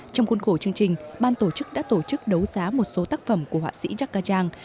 trong cuốn khổ chương trình ban tổ chức đã tổ chức đấu giá một số tác phẩm của họa sĩ jacques cajang